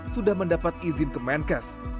sudah mendapat izin ke menkes